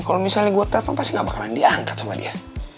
kalau misalnya gue telpon pasti gak bakalan diangkat sama dia